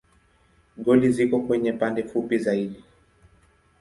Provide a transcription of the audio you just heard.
Goli ziko kwenye pande fupi zaidi.